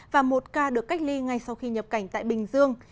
và một ca được cách ly ngay sau khi nhập cảnh tại bình dương